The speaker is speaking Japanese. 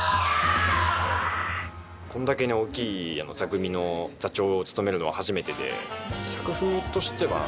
これだけ大きい座組みの座長を務めるのは初めてで。